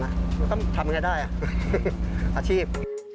มันต้องทำอย่างไรได้อาชีพ